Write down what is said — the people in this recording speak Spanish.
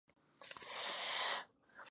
Sus columnas son de estilo renacentista.